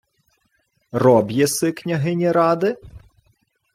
— Роб єси княгині Ради?